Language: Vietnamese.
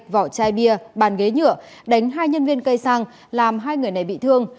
vỏ chai bia bàn ghế nhựa đánh hai nhân viên cây xăng làm hai người này bị thương